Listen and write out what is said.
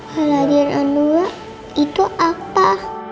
haladian andura itu apa